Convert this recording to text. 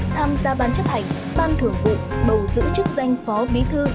tham gia ban chấp hành ban thưởng vụ bầu giữ chức danh phó bí thư